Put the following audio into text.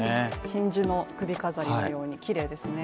真珠の首飾りのようにきれいですね。